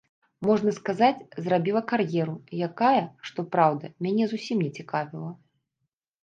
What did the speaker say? Можна сказаць, зрабіла кар'еру, якая, што праўда, мяне зусім не цікавіла.